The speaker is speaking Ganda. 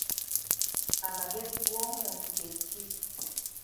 Amagezi gw'omuntu kye ki?